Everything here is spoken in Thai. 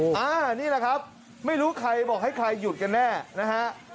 อันนี้แหละครับไม่รู้ใครบอกให้ใครหยุดกันแน่นะฮะ